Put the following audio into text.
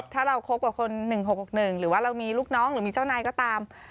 ถ้าเราคบกับคน๑๖๖๑หรือว่าเรามีลูกน้องหรือมีเจ้านายก็ตาม